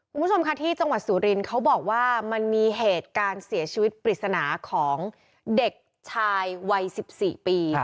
คุณผู้ชมค่ะที่จังหวัดสุรินทร์เขาบอกว่ามันมีเหตุการณ์เสียชีวิตปริศนาของเด็กชายวัย๑๔ปี